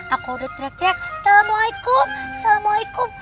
aku udah teriak teriak assalamualaikum